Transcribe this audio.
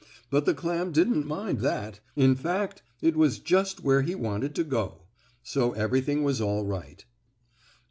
But the clam didn't mind that in fact, it was just where he wanted to go so everything was all right.